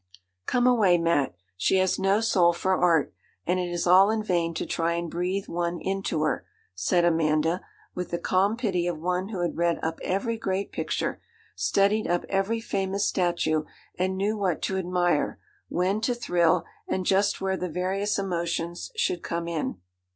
'Come away, Mat: she has no soul for art, and it is all in vain to try and breathe one into her,' said Amanda, with the calm pity of one who had read up every great picture, studied up every famous statue, and knew what to admire, when to thrill, and just where the various emotions should come in.